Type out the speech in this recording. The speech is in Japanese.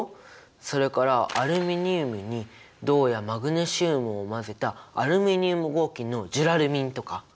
それからアルミニウムに銅やマグネシウムを混ぜたアルミニウム合金のジュラルミンとか！